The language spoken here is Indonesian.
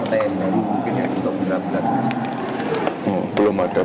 jadi kalau dari itu ada partai yang baru mungkin yang kita berat beratkan